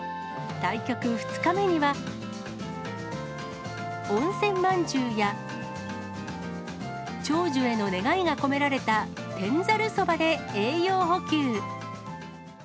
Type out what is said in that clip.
対局２日目には、温泉まんじゅうや、長寿への願いが込められた天ざるそばで栄養補給。